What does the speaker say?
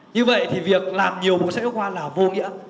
như vậy thì việc làm nhiều bộ sách giáo khoa là vô nghĩa